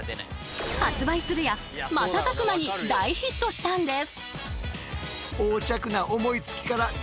発売するや瞬く間に大ヒットしたんです。